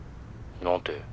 何て？